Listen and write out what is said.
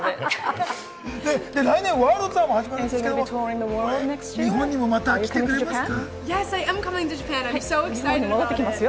来年ワールドツアーも始まるそうですけれども、日本にもまた来てくれますか？